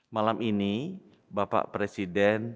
malam ini bapak presiden